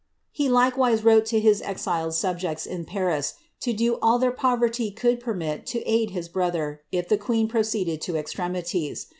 ^ He likewise wrote to his exiled subjects in Paris, to do all their poverty could permit to aid his brother, if the queen procewled to extremities.